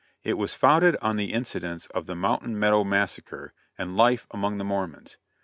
It was founded on the incidents of the "Mountain Meadow Massacre," and life among the Mormons.